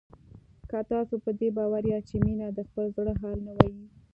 که تاسو په دې باور یاست چې مينه د خپل زړه حال نه وايي